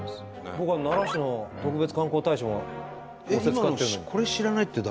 僕は奈良市の特別観光大使も仰せつかってるのに。